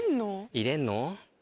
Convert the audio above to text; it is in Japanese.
入れんの？